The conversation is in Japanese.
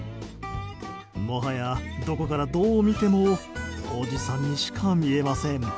もはや、どこからどう見てもおじさんにしか見えません。